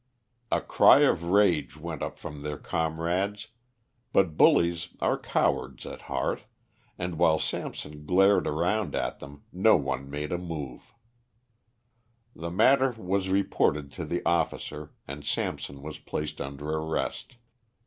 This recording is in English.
A cry of rage went up from their comrades, but bullies are cowards at heart, and while Samson glared around at them, no one made a move. The matter was reported to the officer, and Samson was placed under arrest.